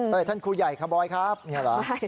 เธอน่ะครูใหญ่คบอยครับนี่หรือ